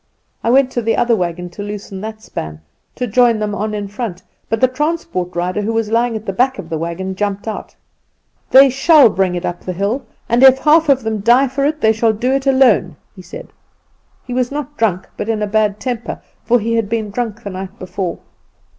I went to the other wagon to loosen that span to join them on in front, but the transport rider, who was lying at the back of the wagon, jumped out. "'They shall bring it up the hill; and if half of them die for it they shall do it alone,' he said. "He was not drunk, but in bad temper, for he had been drunk the night before.